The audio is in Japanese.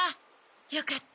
よかった。